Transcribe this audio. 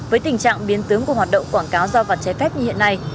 với tình trạng biến tướng của hoạt động quảng cáo giao vật chế phép như hiện nay